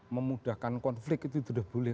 memudahkan konflik itu sudah boleh